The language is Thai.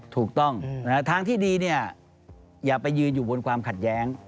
ถูกต้องทางที่ดีเนี่ยอย่าไปยืนอยู่บนความขัดแย้ง